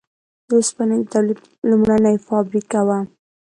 د اوسپنې د تولید لومړنۍ فابریکه وه.